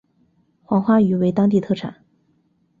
黄花鱼为当地特产。